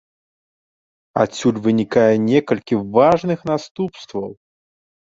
Адсюль вынікае некалькі важных наступстваў.